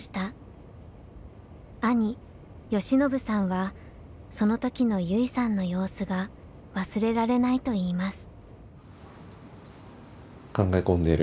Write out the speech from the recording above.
兄義信さんはその時の優生さんの様子が忘れられないと言います。